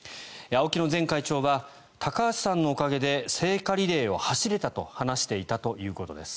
ＡＯＫＩの前会長は高橋さんのおかげで聖火リレーを走れたと話していたということです。